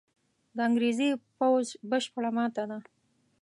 د انګرېزي پوځ بشپړه ماته ده.